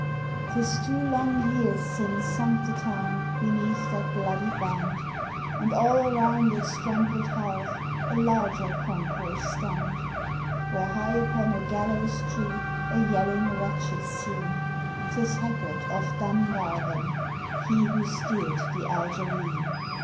'T is two long years since sunk the town beneath that bloody band, And all around its trampled hearth a larger concourse stand, Where high upon a gallows tree a yelling wretch is seen, 'T is Hackett of Dungarvan, he who steered the Algerine!